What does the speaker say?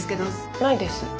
ないです。